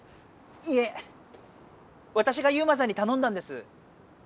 いえわたしがユウマさんにたのんだんです！